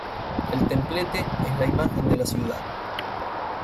El Templete es la imagen de la ciudad.